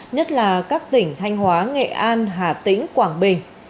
nhất là các tỉnh thanh hóa nghệ an hà tĩnh quảng bình